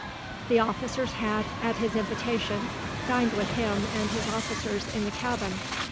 The officers had, at his invitation, dined with him and his officers in the cabin.